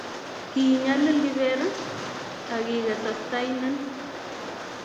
Kiinyalil kiber akike sastainen